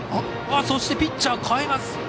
そしてピッチャー代えます。